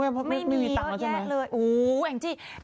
โอ๊ะแหงจีห์